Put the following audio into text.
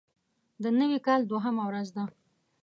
د نوي کال دوهمه ورځ وه.